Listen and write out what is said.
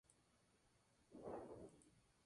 Petersburg, Florida, por causas desconocidas.